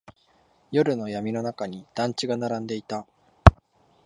夜の闇の中に団地が並んでいた。